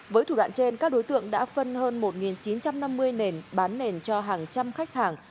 với thủ đoạn trên các đối tượng đã phân hơn một chín trăm năm mươi nền bán nền cho hàng trăm khách hàng